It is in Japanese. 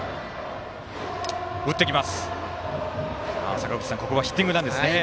坂口さん、ここはヒッティングなんですね。